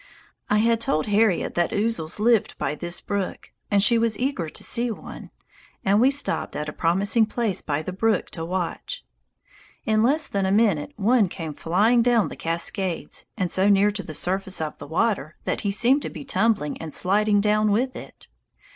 I had told Harriet that ouzels lived by this brook; she was eager to see one, and we stopped at a promising place by the brook to watch. In less than a minute one came flying down the cascades, and so near to the surface of the water that he seemed to be tumbling and sliding down with it.